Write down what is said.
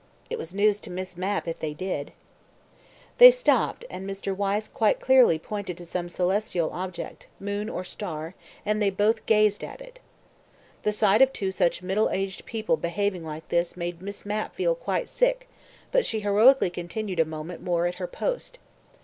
It was news to Miss Mapp if they did. They stopped, and Mr. Wyse quite clearly pointed to some celestial object, moon or star, and they both gazed at it. The sight of two such middle aged people behaving like this made Miss Mapp feel quite sick, but she heroically continued a moment more at her post.